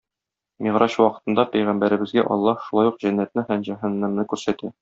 Мигъраҗ вакытында пәйгамбәребезгә Аллаһ шулай ук җәннәтне һәм җәһәннәмне күрсәтә.